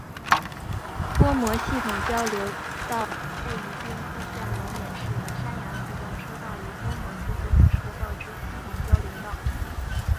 播磨系统交流道是位于兵库县龙野市的山阳自动车道与播磨自动车道之系统交流道。